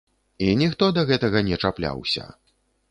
І ніхто да гэтага не чапляўся.